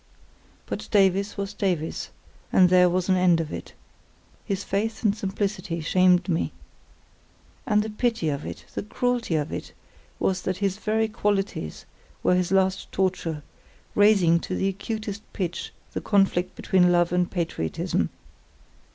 But Davies was Davies, and there was an end of it; his faith and simplicity shamed me. And the pity of it, the cruelty of it, was that his very qualities were his last torture, raising to the acutest pitch the conflict between love and patriotism.